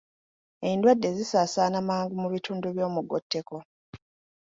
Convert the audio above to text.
Endwadde zisaasaana mangu mu bitundu by'omugotteko